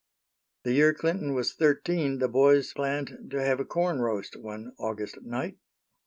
The year Clinton was thirteen, the boys planned to have a corn roast, one August night.